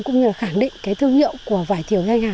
cũng như là khẳng định thương hiệu của vải tiểu thanh hà